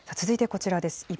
続いてこちらです。